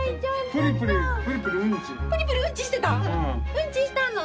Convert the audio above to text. うんちしたの？